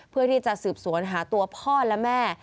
เพื่อที่จะสืบสวนหาตัวพ่อและแม่